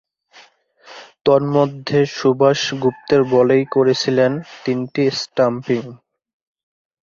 তন্মধ্যে সুভাষ গুপ্তের বলেই করেছিলেন তিনটি স্ট্যাম্পিং।